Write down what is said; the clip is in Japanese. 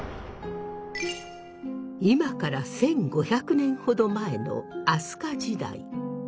今から１，５００年ほど前の飛鳥時代。